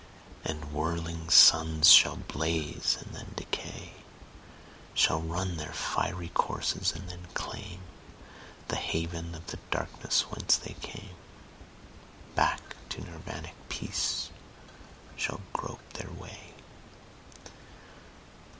And whirling suns shall blaze and then decay, Shall run their fiery courses and then claimThe haven of the darkness whence they came; Back to Nirvanic peace shall grope their way.